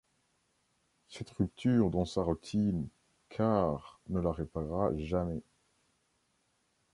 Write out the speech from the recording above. Cette rupture dans sa routine, Carr ne la réparera jamais.